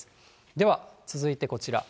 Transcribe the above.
では、続いてこちら。